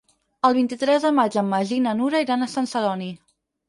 El vint-i-tres de maig en Magí i na Nura iran a Sant Celoni.